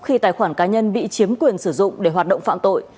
khi tài khoản cá nhân bị chiếm quyền sử dụng để hoạt động phạm tội